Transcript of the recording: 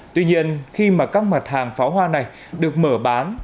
tuy nhiên khi mà các mặt hàng pháo hoa này được mở bán